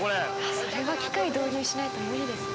それは機械導入しないと無理ですね。